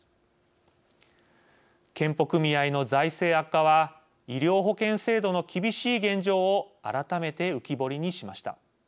健保組合の財政悪化は医療保険制度の厳しい現状を改めて浮き彫りにしました。